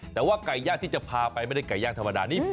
แต่ว่าไก่ย่างที่จะพาไปไม่ได้ไก่ย่างธรรมดานี่